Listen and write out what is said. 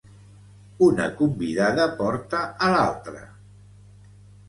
Una convidada porta a l'altra.